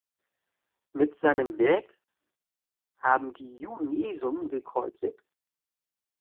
Mit seinem Werk "Haben die Juden Jesum gekreuzigt?